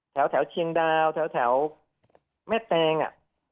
แถวเชียงดาวแถวแม่แตง